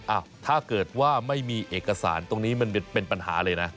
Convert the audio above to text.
ถ้าเกิดว่าไม่มีเอกสารตรงนี้มันเป็นปัญหาเลยนะ